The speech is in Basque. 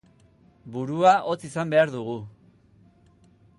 Burua hotz izan behar dugu.